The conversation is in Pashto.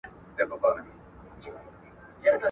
سي نو مړ سي